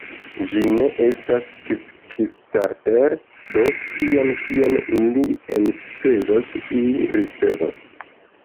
Ĝi ne estas Kickstarter do tion, kion ili enspezas, ili ricevos